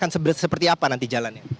seperti apa nanti jalannya